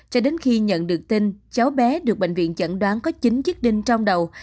cho đến khi nhận được tin cháu bé được bệnh viện chẩn đoán có chín chiếc đinh trong đầu